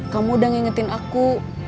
kamu udah ngingetin aku